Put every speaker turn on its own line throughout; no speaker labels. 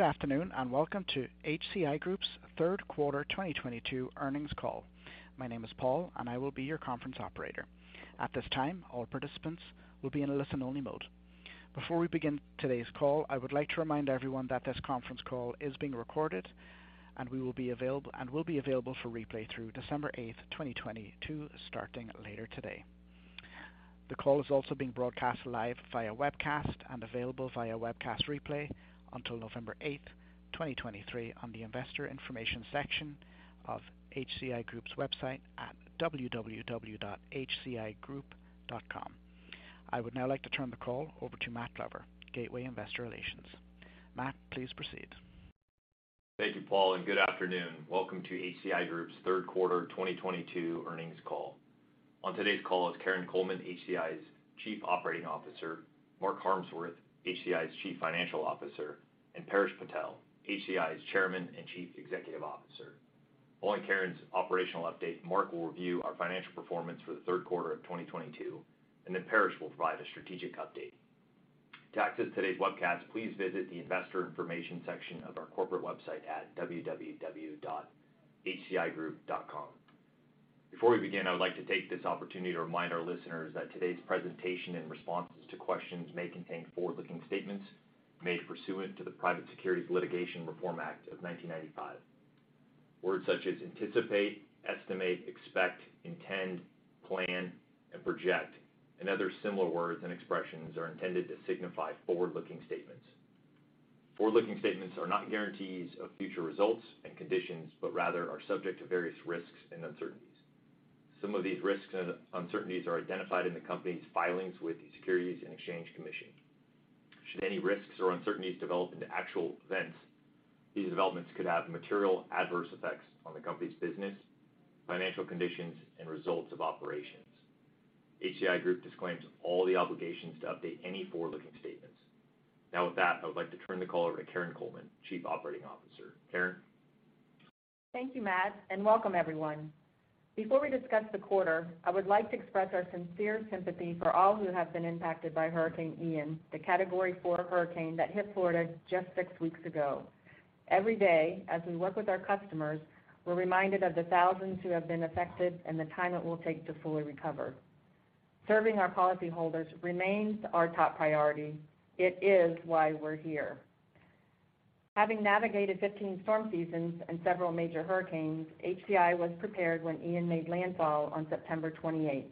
Good afternoon, and welcome to HCI Group's third quarter 2022 earnings call. My name is Paul, and I will be your conference operator. At this time, all participants will be in a listen-only mode. Before we begin today's call, I would like to remind everyone that this conference call is being recorded and will be available for replay through December 8, 2022, starting later today. The call is also being broadcast live via webcast and available via webcast replay until November 8, 2023, on the investor information section of HCI Group's website at www.hcigroup.com. I would now like to turn the call over to Matt Glover, Gateway Investor Relations. Matt, please proceed.
Thank you, Paul, and good afternoon. Welcome to HCI Group's third quarter 2022 earnings call. On today's call is Karin Coleman, HCI's Chief Operating Officer, Mark Harmsworth, HCI's Chief Financial Officer, and Paresh Patel, HCI's Chairman and Chief Executive Officer. Following Karin's operational update, Mark will review our financial performance for the third quarter of 2022, and then Paresh will provide a strategic update. To access today's webcast, please visit the investor information section of our corporate website at www.hcigroup.com. Before we begin, I would like to take this opportunity to remind our listeners that today's presentation and responses to questions may contain forward-looking statements made pursuant to the Private Securities Litigation Reform Act of 1995. Words such as anticipate, estimate, expect, intend, plan, and project, and other similar words and expressions are intended to signify forward-looking statements. Forward-looking statements are not guarantees of future results and conditions, but rather are subject to various risks and uncertainties. Some of these risks and uncertainties are identified in the company's filings with the Securities and Exchange Commission. Should any risks or uncertainties develop into actual events, these developments could have material adverse effects on the company's business, financial conditions, and results of operations. HCI Group disclaims all the obligations to update any forward-looking statements. Now, with that, I would like to turn the call over to Karin Coleman, Chief Operating Officer. Karin?
Thank you, Matt, and welcome everyone. Before we discuss the quarter, I would like to express our sincere sympathy for all who have been impacted by Hurricane Ian, the Category Four hurricane that hit Florida just six weeks ago. Every day, as we work with our customers, we're reminded of the thousands who have been affected and the time it will take to fully recover. Serving our policyholders remains our top priority. It is why we're here. Having navigated 15 storm seasons and several major hurricanes, HCI was prepared when Ian made landfall on September twenty-eighth.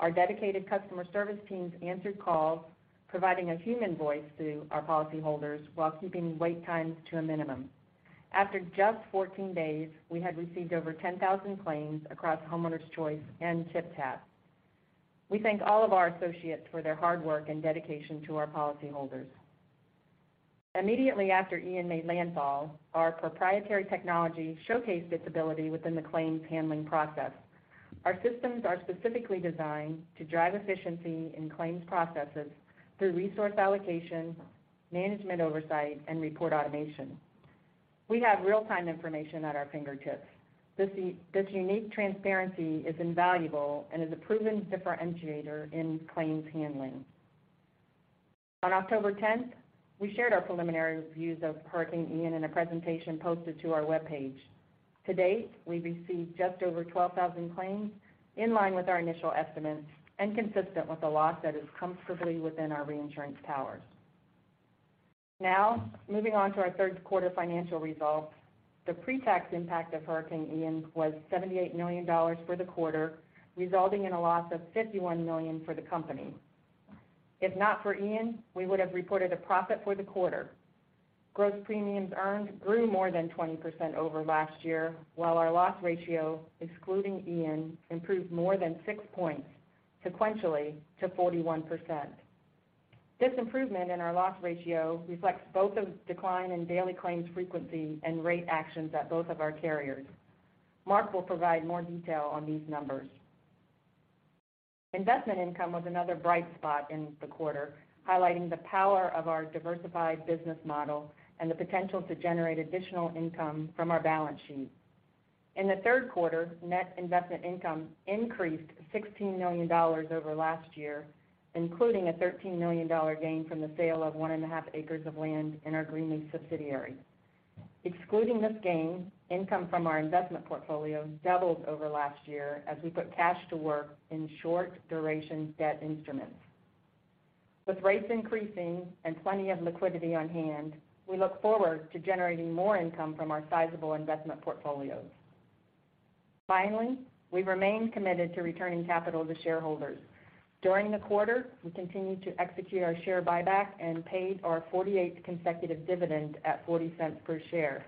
Our dedicated customer service teams answered calls, providing a human voice to our policyholders while keeping wait times to a minimum. After just 14 days, we had received over 10,000 claims across Homeowners Choice and TypTap. We thank all of our associates for their hard work and dedication to our policyholders. Immediately after Ian made landfall, our proprietary technology showcased its ability within the claims handling process. Our systems are specifically designed to drive efficiency in claims processes through resource allocation, management oversight, and report automation. We have real-time information at our fingertips. This unique transparency is invaluable and is a proven differentiator in claims handling. On October tenth, we shared our preliminary reviews of Hurricane Ian in a presentation posted to our webpage. To date, we've received just over 12,000 claims, in line with our initial estimates and consistent with a loss that is comfortably within our reinsurance towers. Now, moving on to our third quarter financial results. The pre-tax impact of Hurricane Ian was $78 million for the quarter, resulting in a loss of $51 million for the company. If not for Ian, we would have reported a profit for the quarter. Gross premiums earned grew more than 20% over last year, while our loss ratio, excluding Ian, improved more than six points sequentially to 41%. This improvement in our loss ratio reflects both a decline in daily claims frequency and rate actions at both of our carriers. Mark will provide more detail on these numbers. Investment income was another bright spot in the quarter, highlighting the power of our diversified business model and the potential to generate additional income from our balance sheet. In the third quarter, net investment income increased $16 million over last year, including a $13 million gain from the sale of 1.5 acres of land in our Greenleaf subsidiary. Excluding this gain, income from our investment portfolio doubled over last year as we put cash to work in short duration debt instruments. With rates increasing and plenty of liquidity on hand, we look forward to generating more income from our sizable investment portfolios. Finally, we remain committed to returning capital to shareholders. During the quarter, we continued to execute our share buyback and paid our 48th consecutive dividend at $0.40 per share.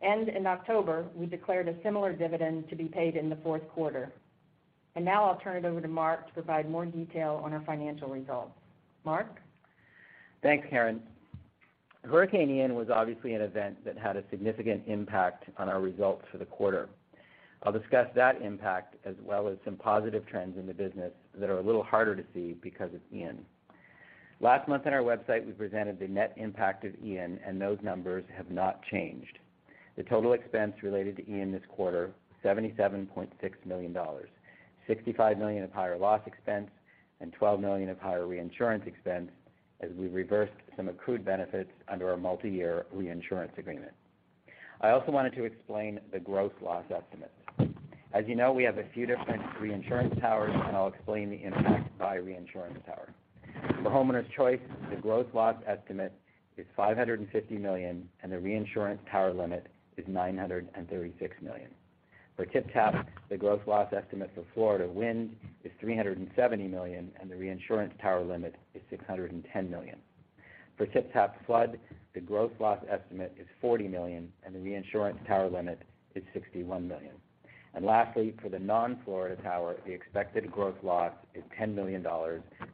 In October, we declared a similar dividend to be paid in the fourth quarter. Now I'll turn it over to Mark to provide more detail on our financial results. Mark?
Thanks, Karin. Hurricane Ian was obviously an event that had a significant impact on our results for the quarter. I'll discuss that impact as well as some positive trends in the business that are a little harder to see because of Ian. Last month on our website, we presented the net impact of Ian, and those numbers have not changed. The total expense related to Ian this quarter, $77.6 million. $65 million of higher loss expense and $12 million of higher reinsurance expense as we reversed some accrued benefits under our multi-year reinsurance agreement. I also wanted to explain the gross loss estimates. As you know, we have a few different reinsurance towers, and I'll explain the impact by reinsurance tower. For Homeowners Choice, the gross loss estimate is $550 million, and the reinsurance tower limit is $936 million. For TypTap, the gross loss estimate for Florida wind is $370 million, and the reinsurance tower limit is $610 million. For TypTap flood, the gross loss estimate is $40 million, and the reinsurance tower limit is $61 million. Lastly, for the non-Florida tower, the expected gross loss is $10 million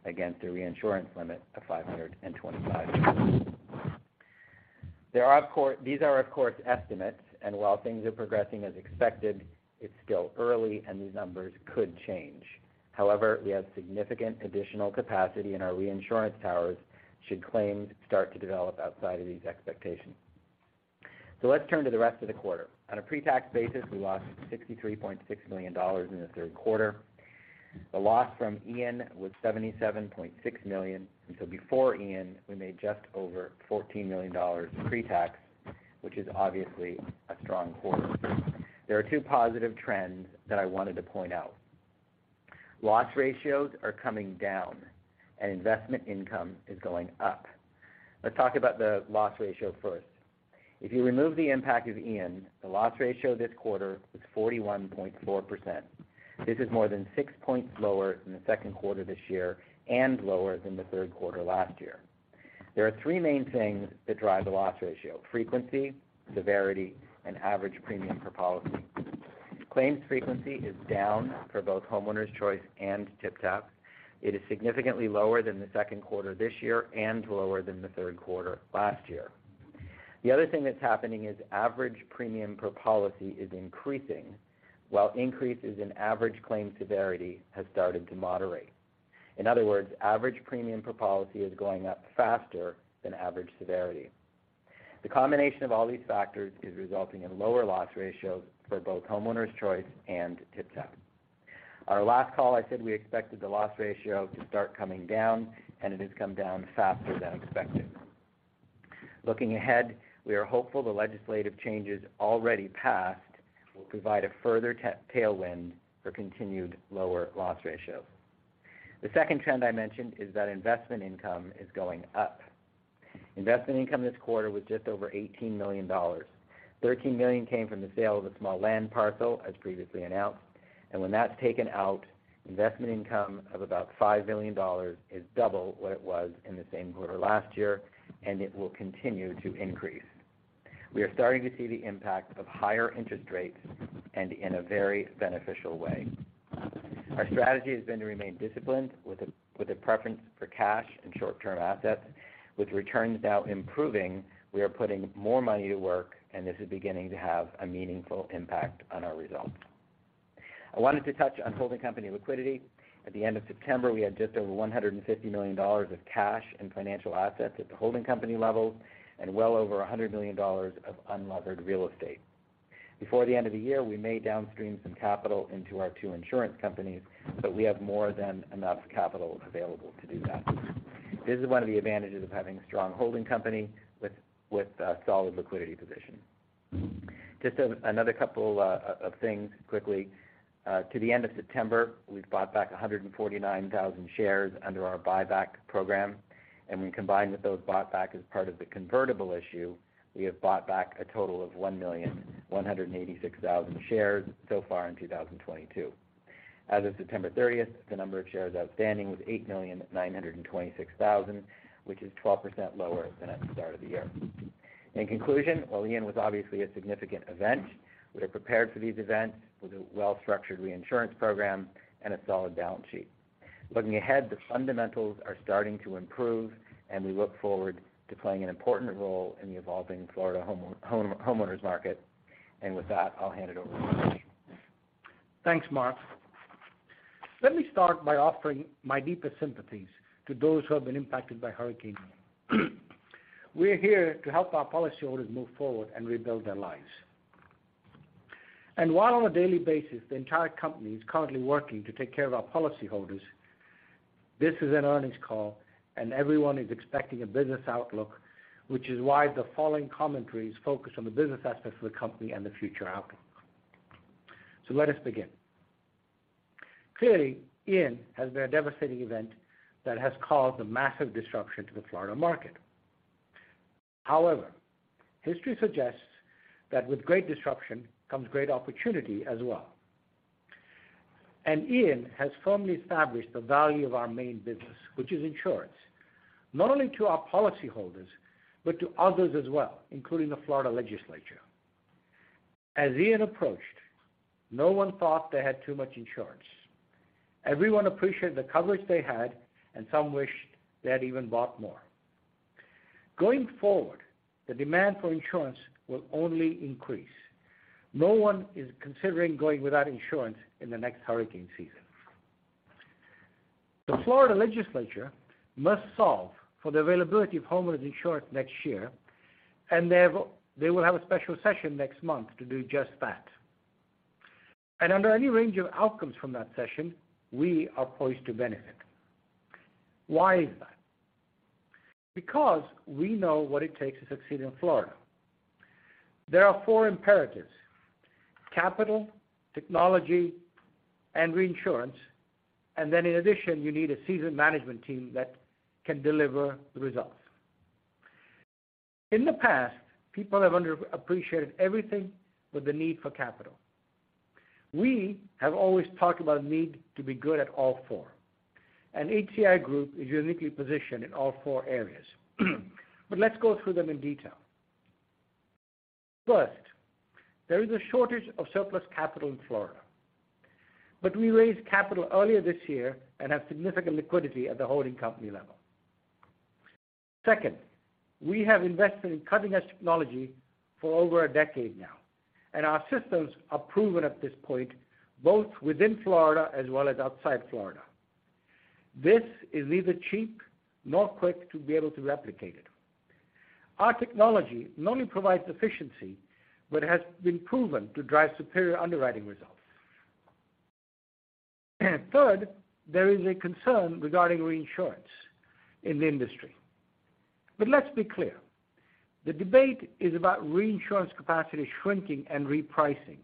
against a reinsurance limit of $525 million. These are, of course, estimates, and while things are progressing as expected, it's still early and these numbers could change. However, we have significant additional capacity in our reinsurance towers should claims start to develop outside of these expectations. Let's turn to the rest of the quarter. On a pre-tax basis, we lost $63.6 million in the third quarter. The loss from Ian was $77.6 million. Before Ian, we made just over $14 million pre-tax, which is obviously a strong quarter. There are two positive trends that I wanted to point out. Loss ratios are coming down and investment income is going up. Let's talk about the loss ratio first. If you remove the impact of Ian, the loss ratio this quarter was 41.4%. This is more than six points lower than the second quarter this year and lower than the third quarter last year. There are three main things that drive the loss ratio. Frequency, severity, and average premium per policy. Claims frequency is down for both Homeowners Choice and TypTap. It is significantly lower than the second quarter this year and lower than the third quarter last year. The other thing that's happening is average premium per policy is increasing, while increases in average claim severity has started to moderate. In other words, average premium per policy is going up faster than average severity. The combination of all these factors is resulting in lower loss ratios for both Homeowners Choice and TypTap. Our last call, I said we expected the loss ratio to start coming down, and it has come down faster than expected. Looking ahead, we are hopeful the legislative changes already passed will provide a further tailwind for continued lower loss ratios. The second trend I mentioned is that investment income is going up. Investment income this quarter was just over $18 million. $13 million came from the sale of a small land parcel, as previously announced. When that's taken out, investment income of about $5 million is double what it was in the same quarter last year, and it will continue to increase. We are starting to see the impact of higher interest rates and in a very beneficial way. Our strategy has been to remain disciplined with a preference for cash and short-term assets. With returns now improving, we are putting more money to work, and this is beginning to have a meaningful impact on our results. I wanted to touch on holding company liquidity. At the end of September, we had just over $150 million of cash and financial assets at the holding company level and well over $100 million of unlevered real estate. Before the end of the year, we may downstream some capital into our two insurance companies, but we have more than enough capital available to do that. This is one of the advantages of having a strong holding company with a solid liquidity position. Just another couple of things quickly. To the end of September, we've bought back 149,000 shares under our buyback program. When combined with those bought back as part of the convertible issue, we have bought back a total of 1,186,000 shares so far in 2022. As of September thirtieth, the number of shares outstanding was 8,926,000, which is 12% lower than at the start of the year. In conclusion, while Ian was obviously a significant event, we are prepared for these events with a well-structured reinsurance program and a solid balance sheet. Looking ahead, the fundamentals are starting to improve, and we look forward to playing an important role in the evolving Florida homeowner's market. With that, I'll hand it over to Paresh.
Thanks, Mark. Let me start by offering my deepest sympathies to those who have been impacted by Hurricane Ian. We are here to help our policyholders move forward and rebuild their lives. While on a daily basis, the entire company is currently working to take care of our policyholders, this is an earnings call, and everyone is expecting a business outlook, which is why the following commentary is focused on the business aspects of the company and the future outlook. Let us begin. Clearly, Ian has been a devastating event that has caused a massive disruption to the Florida market. However, history suggests that with great disruption comes great opportunity as well. Ian has firmly established the value of our main business, which is insurance, not only to our policyholders, but to others as well, including the Florida legislature. As Ian approached, no one thought they had too much insurance. Everyone appreciated the coverage they had, and some wished they had even bought more. Going forward, the demand for insurance will only increase. No one is considering going without insurance in the next hurricane season. The Florida legislature must solve for the availability of homeowners insurance next year, and they will have a special session next month to do just that. Under any range of outcomes from that session, we are poised to benefit. Why is that? Because we know what it takes to succeed in Florida. There are four imperatives, capital, technology and reinsurance. In addition, you need a seasoned management team that can deliver the results. In the past, people have underappreciated everything but the need for capital. We have always talked about the need to be good at all four, and HCI Group is uniquely positioned in all four areas. Let's go through them in detail. First, there is a shortage of surplus capital in Florida, but we raised capital earlier this year and have significant liquidity at the holding company level. Second, we have invested in cutting-edge technology for over a decade now, and our systems are proven at this point, both within Florida as well as outside Florida. This is neither cheap nor quick to be able to replicate it. Our technology not only provides efficiency but has been proven to drive superior underwriting results. Third, there is a concern regarding reinsurance in the industry. Let's be clear, the debate is about reinsurance capacity shrinking and repricing,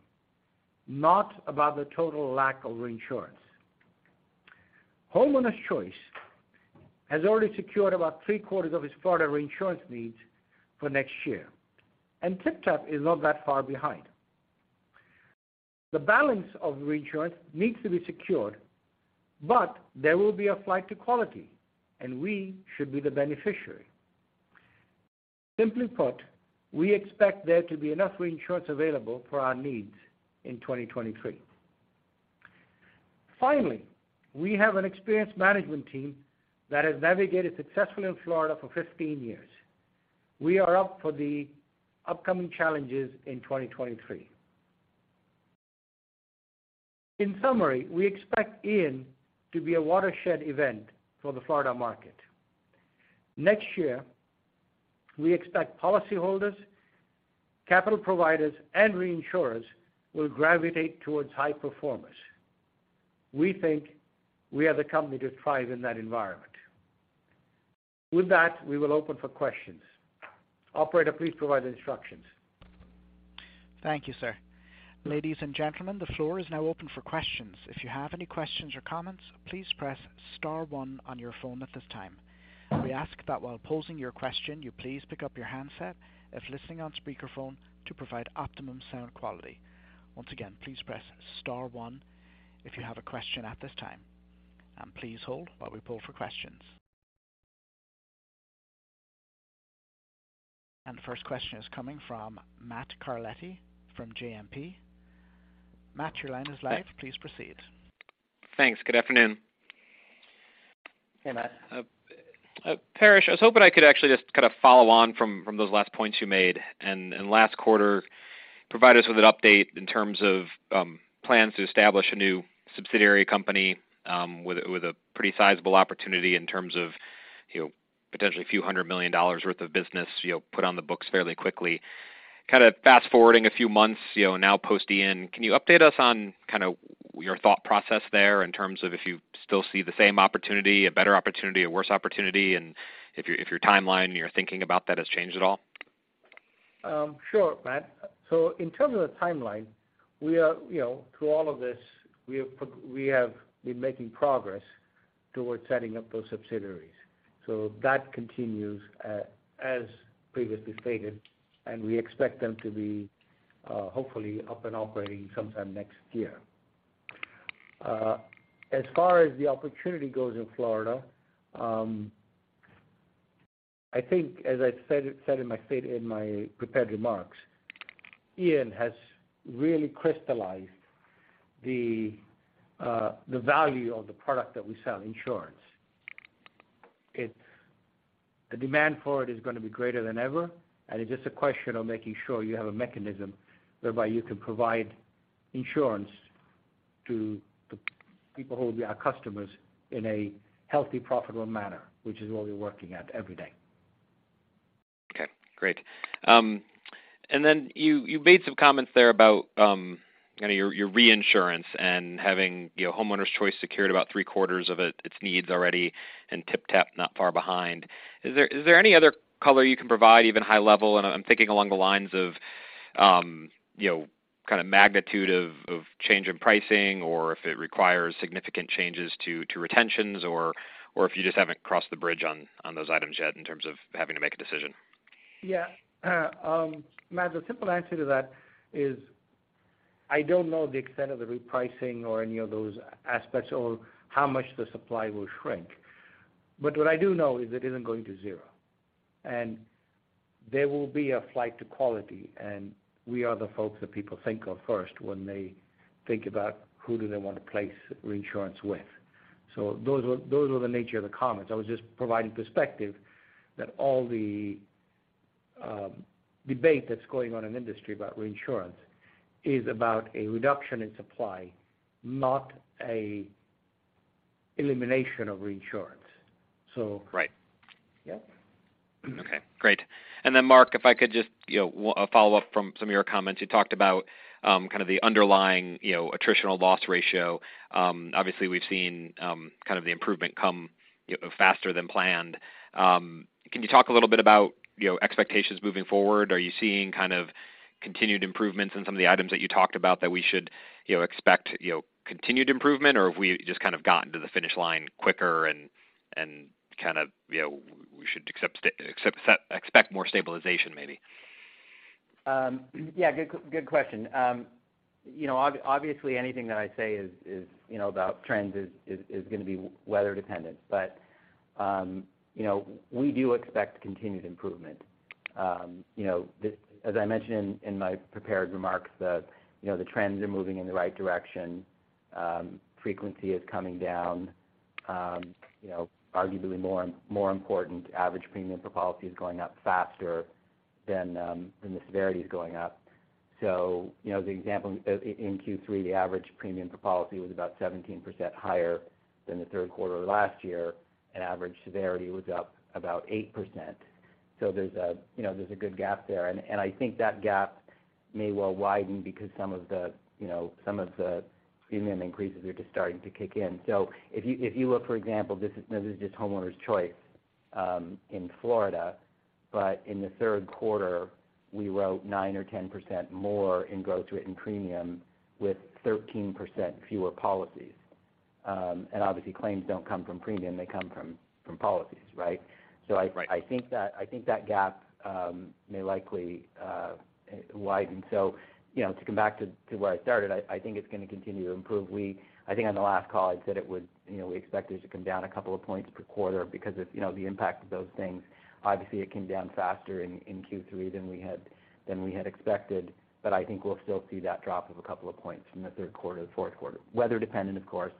not about the total lack of reinsurance. Homeowners Choice has already secured about three-quarters of its Florida reinsurance needs for next year, and TypTap is not that far behind. The balance of reinsurance needs to be secured, but there will be a flight to quality, and we should be the beneficiary. Simply put, we expect there to be enough reinsurance available for our needs in 2023. Finally, we have an experienced management team that has navigated successfully in Florida for 15 years. We are up for the upcoming challenges in 2023. In summary, we expect Ian to be a watershed event for the Florida market. Next year, we expect policyholders, capital providers, and reinsurers will gravitate towards high performers. We think we are the company to thrive in that environment. With that, we will open for questions. Operator, please provide instructions.
Thank you, sir. Ladies and gentlemen, the floor is now open for questions. If you have any questions or comments, please press star one on your phone at this time. We ask that while posing your question, you please pick up your handset, if listening on speakerphone to provide optimum sound quality. Once again, please press star one if you have a question at this time, and please hold while we poll for questions. First question is coming from Matt Carletti from JMP. Matt, your line is live. Please proceed.
Thanks. Good afternoon.
Hey, Matt.
Paresh, I was hoping I could actually just kind of follow on from those last points you made and last quarter, provide us with an update in terms of plans to establish a new subsidiary company with a pretty sizable opportunity in terms of, you know, potentially a few hundred million dollars worth of business, you know, put on the books fairly quickly. Kind of fast-forwarding a few months, you know, now post-Ian, can you update us on kind of your thought process there in terms of if you still see the same opportunity, a better opportunity, a worse opportunity, and if your timeline and your thinking about that has changed at all?
Sure, Matt. In terms of the timeline, we are, you know, through all of this, we have been making progress towards setting up those subsidiaries. That continues, as previously stated, and we expect them to be, hopefully up and operating sometime next year. As far as the opportunity goes in Florida, I think as I said in my prepared remarks, Ian has really crystallized the value of the product that we sell, insurance. The demand for it is gonna be greater than ever, and it's just a question of making sure you have a mechanism whereby you can provide insurance to the people who will be our customers in a healthy, profitable manner, which is what we're working at every day.
Okay, great. You made some comments there about, you know, your reinsurance and having, you know, Homeowners Choice secured about three-quarters of its needs already and TypTap not far behind. Is there any other color you can provide, even high level? I'm thinking along the lines of, you know, kind of magnitude of change in pricing or if it requires significant changes to retentions or if you just haven't crossed the bridge on those items yet in terms of having to make a decision.
Yeah. Matt, the simple answer to that is I don't know the extent of the repricing or any of those aspects or how much the supply will shrink. What I do know is it isn't going to zero, and there will be a flight to quality, and we are the folks that people think of first when they think about who do they want to place reinsurance with. Those were the nature of the comments. I was just providing perspective that all the debate that's going on in industry about reinsurance is about a reduction in supply, not an elimination of reinsurance.
Right.
Yeah.
Okay, great. Then Mark, if I could just, you know, a follow-up from some of your comments. You talked about, kind of the underlying, you know, attritional loss ratio. Obviously, we've seen, kind of the improvement come, you know, faster than planned. Can you talk a little bit about, you know, expectations moving forward? Are you seeing kind of continued improvements in some of the items that you talked about that we should, you know, expect, you know, continued improvement, or have we just kind of gotten to the finish line quicker and kind of, you know, we should expect more stabilization maybe?
Yeah, good question. You know, obviously anything that I say is, you know, about trends is gonna be weather dependent. You know, we do expect continued improvement. As I mentioned in my prepared remarks that, you know, the trends are moving in the right direction, frequency is coming down, you know, arguably more important, average premium per policy is going up faster than the severity is going up. You know, the example, in Q3, the average premium per policy was about 17% higher than the third quarter of last year, and average severity was up about 8%. You know, there's a good gap there. I think that gap may well widen because some of the, you know, some of the premium increases are just starting to kick in. If you look, for example, this is just Homeowners Choice in Florida, but in the third quarter, we wrote 9% or 10% more in gross written premium with 13% fewer policies. Obviously claims don't come from premium, they come from policies, right?
Right.
I think that gap may likely widen. You know, to come back to where I started, I think it's gonna continue to improve. I think on the last call I said it would, you know, we expected it to come down a couple of points per quarter because of, you know, the impact of those things. Obviously, it came down faster in Q3 than we had expected, but I think we'll still see that drop of a couple of points from the third quarter to the fourth quarter. Weather dependent, of course,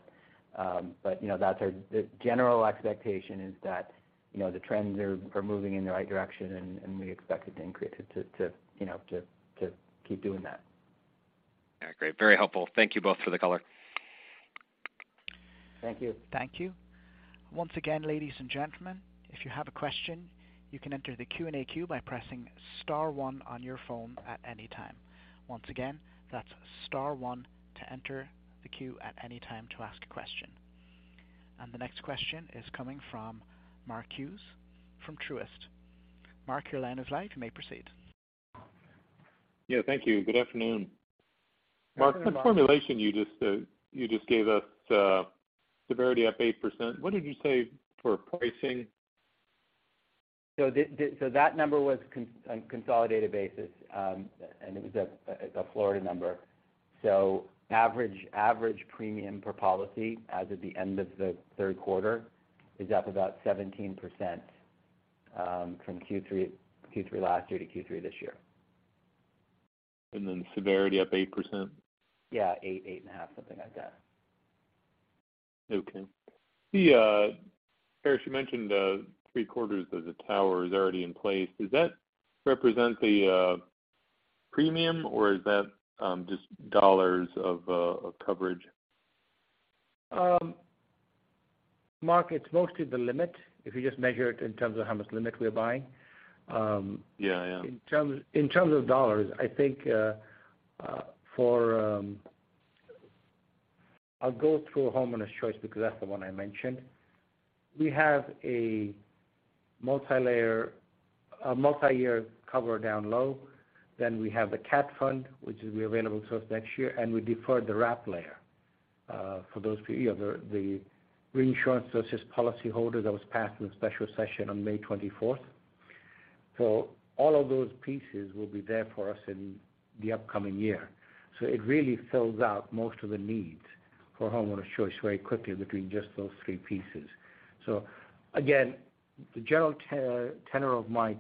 but, you know, that's our expectation. The general expectation is that, you know, the trends are moving in the right direction and we expect it to keep doing that.
Yeah. Great. Very helpful. Thank you both for the color.
Thank you.
Thank you. Once again, ladies and gentlemen, if you have a question, you can enter the Q&A queue by pressing star one on your phone at any time. Once again, that's star one to enter the queue at any time to ask a question. The next question is coming from Mark Hughes from Truist. Mark, your line is live. You may proceed.
Yeah, thank you. Good afternoon.
Good afternoon.
Mark, what formulation you just gave us, severity up 8%. What did you say for pricing?
That number was on consolidated basis, and it was a Florida number. Average premium per policy as of the end of the third quarter is up about 17%, from Q3 last year to Q3 this year.
Severity up 8%?
Yeah, 8.5, something like that.
Okay. Paresh, you mentioned three-quarters of the tower is already in place. Does that represent the premium or is that just dollars of coverage?
Mark, it's mostly the limit, if you just measure it in terms of how much limit we are buying.
Yeah, yeah.
In terms of dollars, I think I'll go through Homeowners Choice because that's the one I mentioned. We have a multi-year cover down low, then we have the Cat Fund, which will be available to us next year, and we deferred the wrap layer, you know, the reinsurance versus policy holder that was passed in the special session on May 24. All of those pieces will be there for us in the upcoming year. It really fills out most of the needs for Homeowners Choice very quickly between just those three pieces. Again, the general tenor of my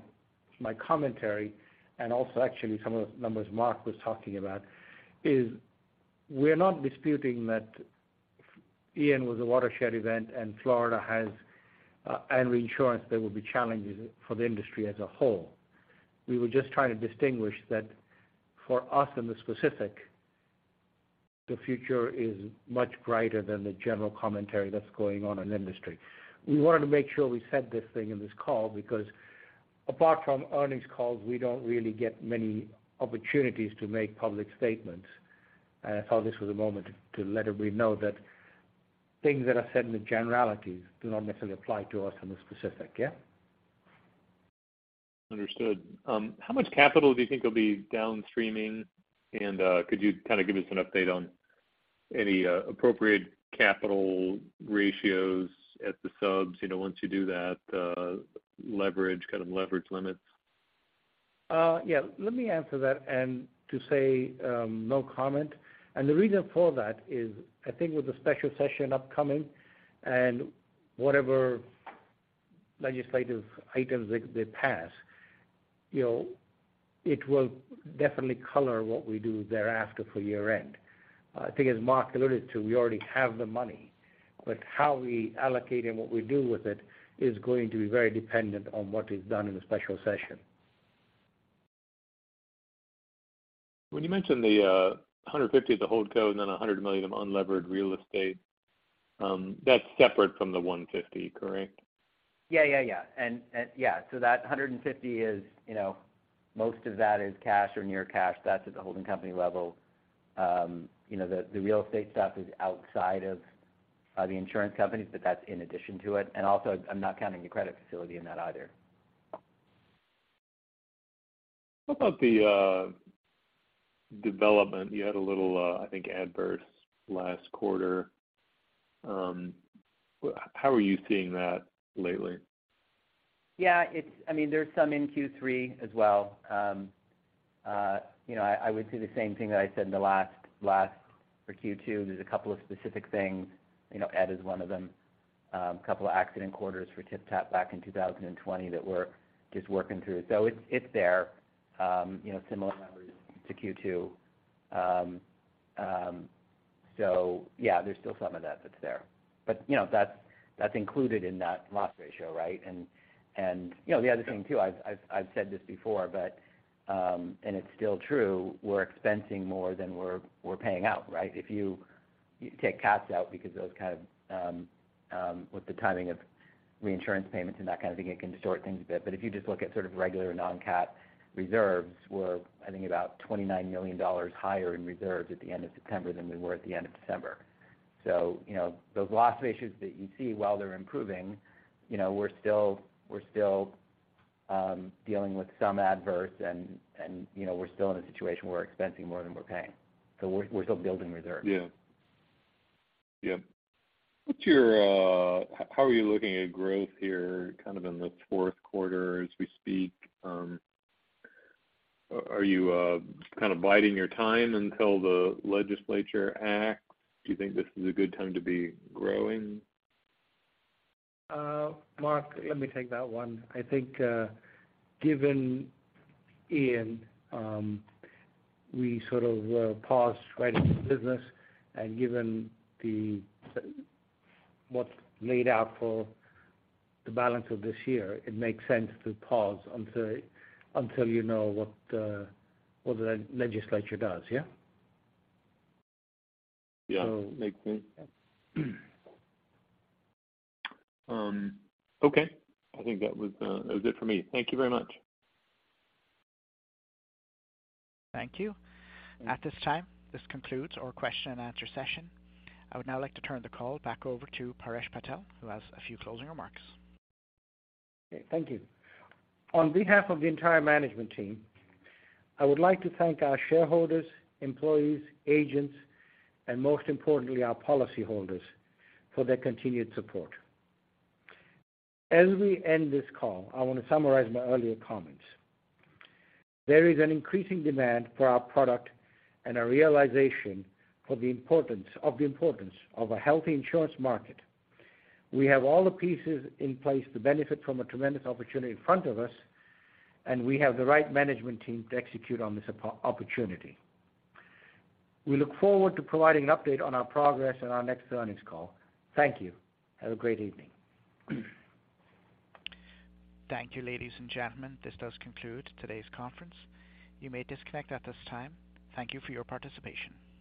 commentary, and also actually some of the numbers Mark was talking about, is we're not disputing that Ian was a watershed event and Florida has and reinsurance, there will be challenges for the industry as a whole. We were just trying to distinguish that for us in the specific, the future is much brighter than the general commentary that's going on in the industry. We wanted to make sure we said this thing in this call because apart from earnings calls, we don't really get many opportunities to make public statements, and I thought this was a moment to let everybody know that things that are said in the generalities do not necessarily apply to us in the specific. Yeah.
Understood. How much capital do you think you'll be downstreaming? Could you kind of give us an update on any appropriate capital ratios at the subs, you know, once you do that, leverage, kind of leverage limits?
Let me answer that and to say, no comment. The reason for that is, I think with the special session upcoming and whatever legislative items they pass, you know. It will definitely color what we do thereafter for year-end. I think as Mark alluded to, we already have the money, but how we allocate and what we do with it is going to be very dependent on what is done in the special session.
When you mentioned the 150 as a holdco, and then $100 million of unlevered real estate, that's separate from the 150, correct?
Yeah. That $150 is, you know, most of that is cash or near cash. That's at the holding company level. You know, the real estate stuff is outside of the insurance companies, but that's in addition to it. Also, I'm not counting the credit facility in that either.
What about the development? You had a little, I think, adverse last quarter. How are you seeing that lately?
Yeah. I mean, there's some in Q3 as well. You know, I would say the same thing that I said in the last for Q2. There's a couple of specific things. You know, Eta is one of them. Couple of accident quarters for TypTap back in 2020 that we're just working through. It's there, you know, similar numbers to Q2. Yeah, there's still some of that that's there. You know, that's included in that loss ratio, right? You know, the other thing too, I've said this before, but and it's still true, we're expensing more than we're paying out, right? If you take cats out because those kind of with the timing of reinsurance payments and that kind of thing, it can distort things a bit. If you just look at sort of regular non-cat reserves, we're, I think, about $29 million higher in reserves at the end of September than we were at the end of December. You know, those loss ratios that you see while they're improving, you know, we're still dealing with some adverse and, you know, we're still in a situation where we're expensing more than we're paying. We're still building reserves.
Yeah. Yeah. What's your, how are you looking at growth here kind of in the fourth quarter as we speak? Are you, kind of biding your time until the legislature acts? Do you think this is a good time to be growing?
Mark, let me take that one. I think, given Ian, we sort of paused writing new business, and given what's laid out for the balance of this year, it makes sense to pause until you know what the legislature does. Yeah?
Yeah. Makes sense. Okay. I think that was it for me. Thank you very much.
Thank you. At this time, this concludes our question and answer session. I would now like to turn the call back over to Paresh Patel, who has a few closing remarks.
Okay. Thank you. On behalf of the entire management team, I would like to thank our shareholders, employees, agents, and most importantly, our policyholders for their continued support. As we end this call, I want to summarize my earlier comments. There is an increasing demand for our product and a realization for the importance of a healthy insurance market. We have all the pieces in place to benefit from a tremendous opportunity in front of us, and we have the right management team to execute on this opportunity. We look forward to providing an update on our progress in our next earnings call. Thank you. Have a great evening.
Thank you, ladies and gentlemen. This does conclude today's conference. You may disconnect at this time. Thank you for your participation.